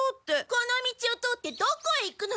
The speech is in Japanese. この道を通ってどこへ行くのよ？